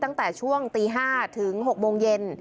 ตั้งแต่ช่วงตี๕ถึง๖โมงเย็น